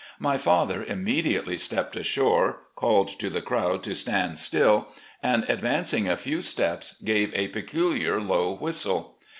My father immediately stepped ashore, called to the crowd to stand still, and advancing a few steps gave a peculiar low whistle.